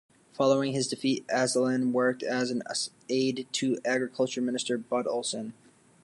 Following his defeat, Asselin worked as an aide to Agriculture minister Bud Olson.